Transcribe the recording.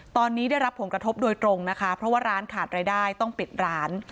ตอนนี้ได้รับผลกระทบโดยตรงนะคะเพราะว่าร้านขาดรายได้ต้องปิดร้าน